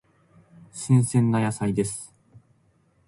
新鮮な野菜です。